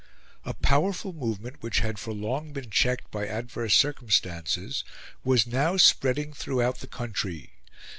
A powerful movement, which had for long been checked by adverse circumstances, was now spreading throughout the country.